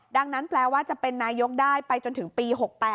ดังนั้นแปลว่าจะเป็นนายกได้ไปจนถึงปี๖๘